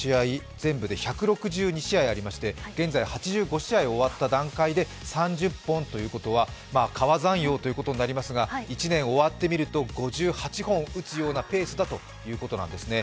全部で１６２試合ありまして現在８５試合終わった段階で３０本ということは、皮算用ということになりますが１年終わってみると５８本打つようなペースだということなんですね。